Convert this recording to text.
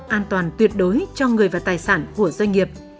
an toàn tuyệt đối cho người và tài sản của doanh nghiệp